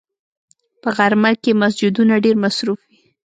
په غرمه کې مسجدونه ډېر مصروف وي